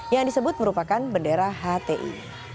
yang disebut merupakan bendera hti